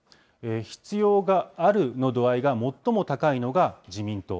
必要があるの度合いが最も高いのが自民党。